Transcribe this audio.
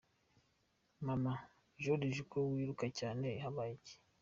Mama: Joriji ko wiruka cyane habaye iki?.